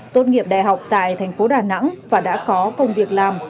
tốt nghiệp đại học tại thành phố đà nẵng và đã có công việc làm